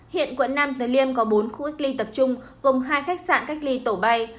hiện quận nam từ liêm có bốn khu cách ly tập trung gồm hai khách sạn cách ly tổ bay